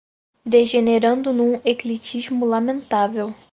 degenerando num ecletismo lamentável